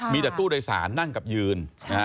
มีแต่ตู้โดยสารนั่งกับยืน